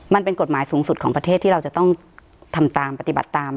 มันเป็นกฎหมายสูงสุดของประเทศที่เราจะต้องทำตามปฏิบัติตาม